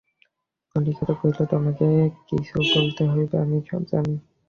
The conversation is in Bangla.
নলিনাক্ষ কহিল, তোমাকে কিছু বলিতে হইবে না, আমি সব জানি।